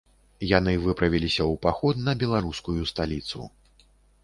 Яны выправіліся ў паход на беларускую сталіцу.